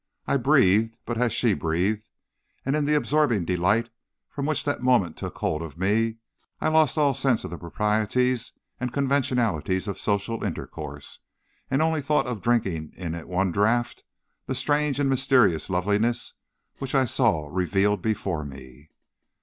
I breathed but as she breathed, and in the absorbing delight which from that moment took hold of me I lost all sense of the proprieties and conventionalities of social intercourse, and only thought of drinking in at one draught the strange and mysterious loveliness which I saw revealed before me.